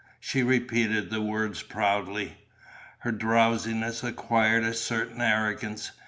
She repeated the words proudly. Her drowsiness acquired a certain arrogance.